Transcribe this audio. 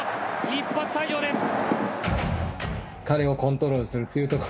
一発退場です。